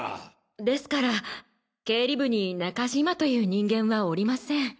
ですから経理部に中島という人間はおりません。